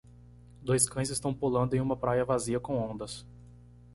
Dois cães estão pulando em uma praia vazia com ondas.